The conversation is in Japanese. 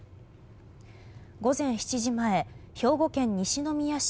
午前７時前兵庫県西宮市